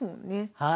はい。